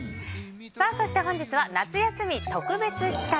そして本日は夏休み特別企画！